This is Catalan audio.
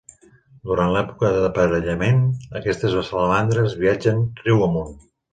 Durant l'època d'aparellament, aquestes salamandres viatgen riu amunt.